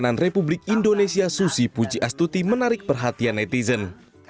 presiden republik indonesia susi puji astuti menarik perhatian netizen